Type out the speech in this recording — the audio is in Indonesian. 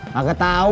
hah yeah mooi